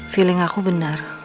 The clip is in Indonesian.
feeling aku bener